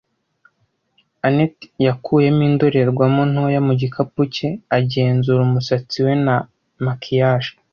anet yakuye indorerwamo ntoya mu gikapu cye, agenzura umusatsi we na maquillage.